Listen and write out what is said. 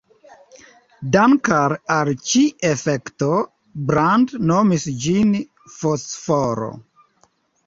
Dank'al al ĉi-efekto, Brand nomis ĝin fosforo.